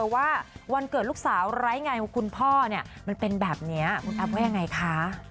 ว่าวันเกิดลูกสาวไร้ไงว่าคุณพ่อมันเป็นแบบนี้คุณแอฟว่ายังไงคะ